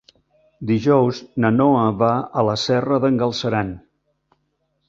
Dijous na Noa va a la Serra d'en Galceran.